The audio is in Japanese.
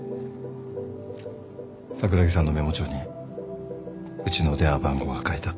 桜木さんのメモ帳にうちの電話番号が書いてあった。